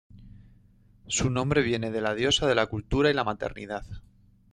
Su nombre viene de la diosa de la cultura y la maternidad.